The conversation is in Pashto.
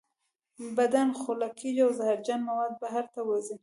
بدن خوله کیږي او زهرجن مواد بهر ته وځي.